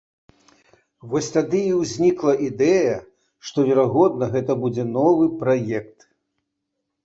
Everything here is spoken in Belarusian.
Вось тады і ўзнікла ідэя, што, верагодна, гэта будзе новы праект.